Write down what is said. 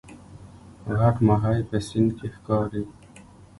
غټ ماهی په سیند کې ښکاري